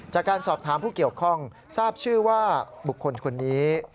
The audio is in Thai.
จากการสอบถามผู้เกี่ยวข้องทราบชื่อว่าบุคคลคนนี้